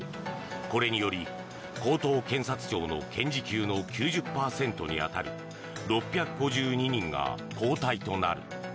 これにより高等検察庁の検事級の９０％に当たる６５２人が交代となる。